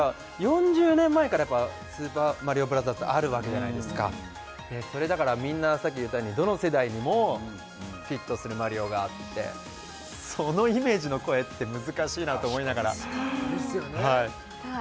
４０年前からスーパーマリオブラザーズあるわけじゃないですかそれだからみんなさっき言ったようにどの世代にもフィットするマリオがあってそのイメージの声って難しいなと思いながらさあ